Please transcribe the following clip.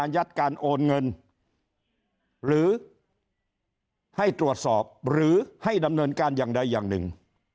ยัดการโอนเงินหรือให้ตรวจสอบหรือให้ดำเนินการอย่างใดอย่างหนึ่ง